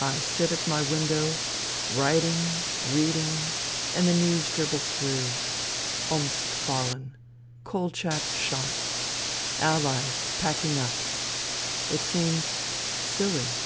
I sit at my window, writing, reading, and the news dribbles through :' Omsk fallen. Kolchak shot. AUies packing up.' It seems ... silly."